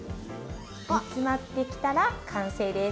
煮詰まってきたら完成です。